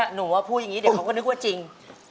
หนูพูดแบบนี้เดี๋ยวเขาก็นึกว่าจริง